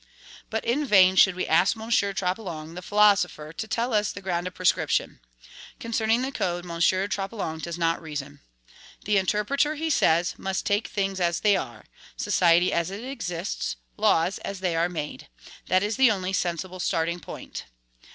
But in vain should we ask M. Troplong, the philosopher, to tell us the ground of prescription. Concerning the code, M. Troplong does not reason. "The interpreter," he says, "must take things as they are, society as it exists, laws as they are made: that is the only sensible starting point."